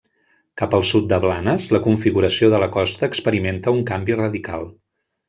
Cap al sud de Blanes, la configuració de la costa experimenta un canvi radical.